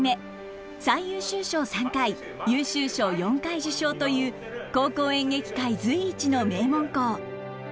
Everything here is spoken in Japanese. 最優秀賞３回優秀賞４回受賞という高校演劇界随一の名門校。